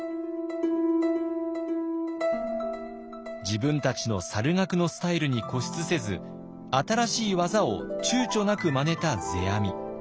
自分たちの猿楽のスタイルに固執せず新しい技をちゅうちょなくまねた世阿弥。